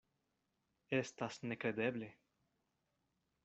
Estas nekredeble.